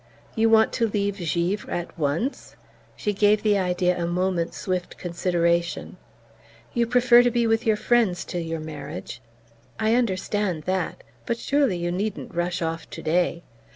"You want to leave Givre at once?" She gave the idea a moment's swift consideration. "You prefer to be with your friends till your marriage? I understand that but surely you needn't rush off today?